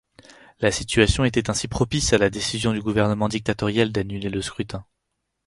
La situation était ainsi propice à la décision du gouvernement dictatorial d’annuler le scrutin.